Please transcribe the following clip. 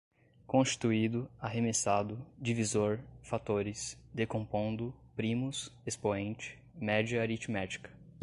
constituído, arremessado, divisor, fatores, decompondo, primos, expoente, média aritmética